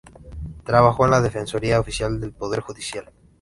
Trabajó en la Defensoría oficial del Poder Judicial.